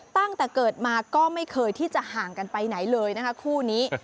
ตั้งแต่เกิดมาก็ไม่เคยที่จะห่างกันไปไหนเลยนะคะคู่นี้